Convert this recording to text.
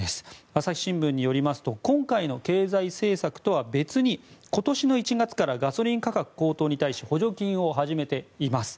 朝日新聞によりますと今回の経済政策とは別に今年の１月からガソリン価格高騰に対し補助金を始めています。